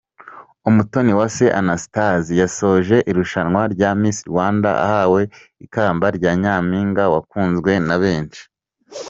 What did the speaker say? Umutoniwase Anastasie yasoje irushanwa rya Miss Rwanda ahawe ikamba rya Nyampinga wakunzwe na benshi.